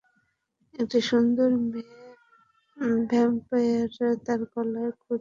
একটি সুন্দর মেয়ে ভ্যাম্পায়ার, তার গলায় ক্রুশবিদ্ধ যীশু মূর্তি।